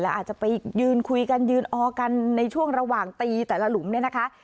อาจจะไปยืนคุยกันยืนออกันในช่วงระหว่างตีแต่ละหลุมเนี่ยนะคะ